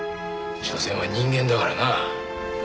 しょせんは人間だからな。